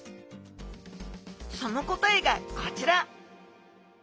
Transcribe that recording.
その答えがこちら！